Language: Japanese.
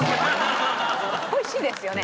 美味しいですよね。